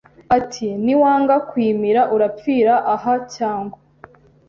ati niwanga kuyimira urapfira aha cyangwa